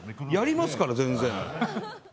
やりますから全然。